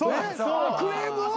クレームを？